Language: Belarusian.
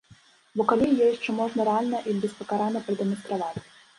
Бо калі яе яшчэ можна рэальна і беспакарана прадэманстраваць?